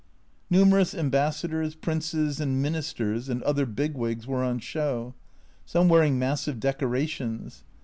Numerous ambassadors, princes, and ministers, and other big wigs were on show, some wearing massive decorations.